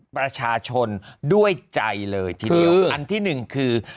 ประชาชนด้วยใจเลยทีเดียวอันที่หนึ่งคือ